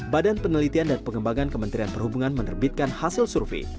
badan penelitian dan pengembangan kementerian perhubungan menerbitkan hasil survei